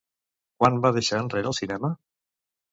Quan va deixar enrere el cinema?